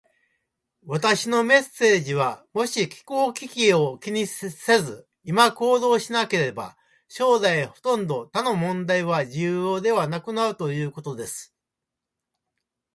私のメッセージは、もし気候危機を気にせず、今行動しなければ、将来ほとんど他の問題は重要ではなくなるということです。